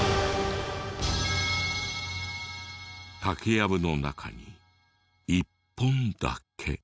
竹やぶの中に１本だけ。